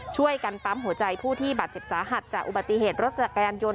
ช่วยกันปั๊มหัวใจผู้ที่บาดเจ็บสาหัสจากอุบัติเหตุรถจักรยานยนต